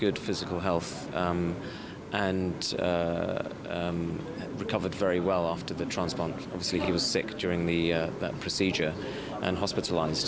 ดูแลที่นี่